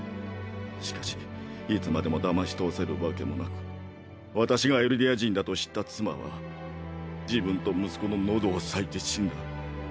しかしいつまでも騙し通せるわけもなく私がエルディア人だと知った妻は自分と息子の喉を裂いて死んだ。